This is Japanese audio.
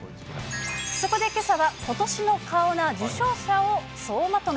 そこでけさは、ことしの顔な受賞者を総まとめ。